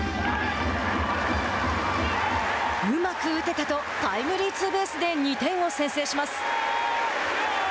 うまく打てたとタイムリーツーベースで２点を先制します。